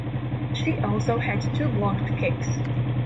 She also had two blocked kicks.